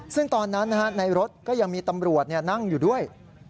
ซึ่งตอนนั้นในรถก็ยังมีตำรวจนั่งอยู่ด้วย